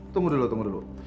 tunggu dulu tunggu dulu